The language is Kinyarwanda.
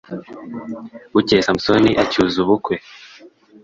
bukeye samusoni acyuza ubukwe